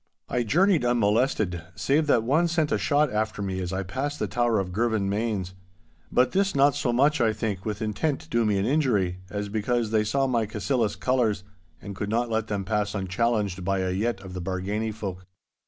I journeyed unmolested save that one sent a shot after me as I passed the tower of Girvanmains. But this not so much, I think, with intent to do me an injury, as because they saw my Cassillis colours, and could not let them pass unchallenged by a yett of the Bargany folk.